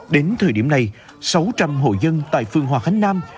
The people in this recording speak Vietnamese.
đến thời điểm này sáu trăm linh hộ dân tại phường hòa khánh nam